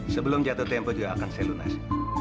sebelum jatuh tempo juga akan selunas